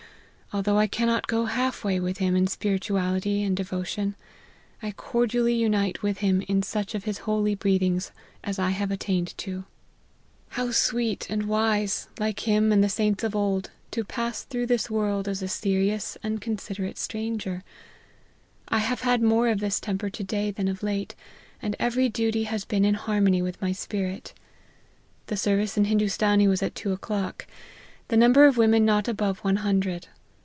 Although I cannot go half way with him in spirituality and devotion, I cordially unite with him in such of his holy breathings as I have attained unto. How 94 LIFE OF HENRY MARTYN. sweet and wise, like him and the saints of old, to pass through this world as a serious and consider ate stranger. I have had more of this temper to day than of late, and every duty has been in harmony with my spirit. The service in Hindoostanee was at two o'clock. The number of women not above one hundred.